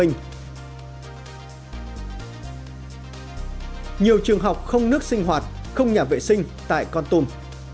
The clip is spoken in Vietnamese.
nhiều trường học không nước sinh hoạt không nhà vệ sinh tại con tum